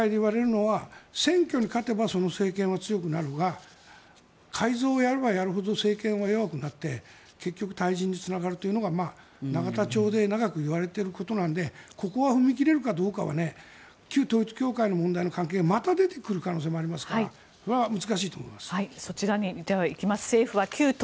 よく政界で言われるのは選挙で勝てばその政権は強くなるが改造をやればやるほど政権は弱くなって結局退陣につながるというのが永田町で長くいわれていることなのでここは踏み切れるかどうかは旧統一教会の問題の関係また出てくると思いますから難しいと思います。